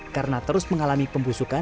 karena terus mengalami pembusukan